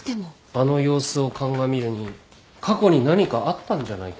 あの様子を鑑みるに過去に何かあったんじゃないか。